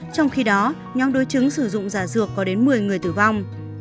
trong khi đó nhóm đối chứng sử dụng giả dược có đến một mươi người tử vong